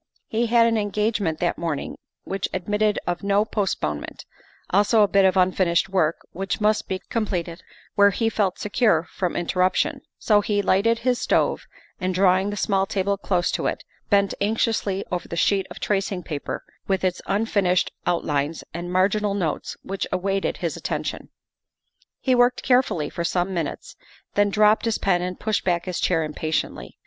He had an engagement that morning which admitted of no postponement, also a bit of unfinished work which must be completed where he felt secure from interruption, so he lighted his stove and, drawing the small table close to it, bent anxiously over the sheet of tracing paper with its unfinished out lines and marginal notes which awaited his attention. He worked carefully for some minutes, then dropped his pen and pushed back his chair impatiently.